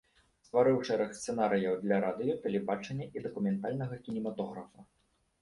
Стварыў шэраг сцэнарыяў для радыё, тэлебачання і дакументальнага кінематографа.